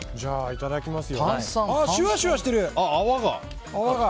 いただきます。